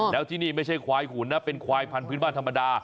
แล้วที่นี่ไม่ใช่ควายหุ่นนะเป็นควายพันธุ์บ้านธรรมดา